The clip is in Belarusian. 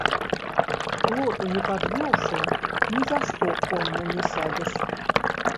К плоту не падвёўшы, ні за што конна не сядзеш.